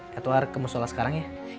ya tuhar kamu sholat sekarang ya